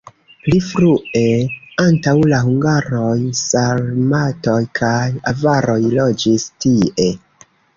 Pli frue antaŭ la hungaroj sarmatoj kaj avaroj loĝis tie.